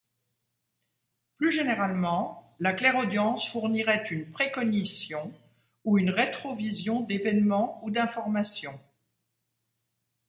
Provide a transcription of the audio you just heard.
Plus généralement, la clairaudience fournirait une précognition ou une rétrovision d'événements ou d'informations.